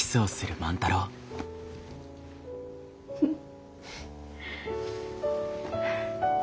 フッ。